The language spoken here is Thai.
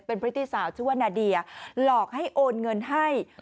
เป็นพฤติสาวชื่อว่านาเดียหลอกให้โอนเงินให้